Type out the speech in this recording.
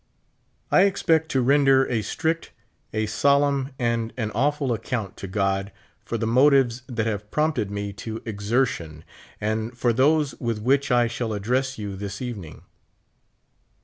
I expect to render a strict, a solemn, and an awful account to God for the motives that have prompted me to exertion, and for those with which I shall address you this evening.